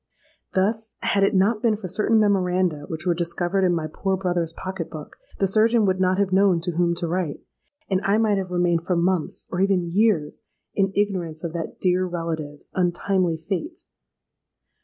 Thus, had it not been for certain memoranda which were discovered in my poor brother's pocket book, the surgeon would not have known to whom to write, and I might have remained for months—or even years—in ignorance of that dear relative's untimely fate.